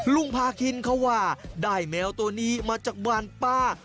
ลุงพาคินเขาว่าได้แมวตัวนี้มาจากบ้านป้า